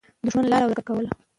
دښمن لاره ورکه کوله.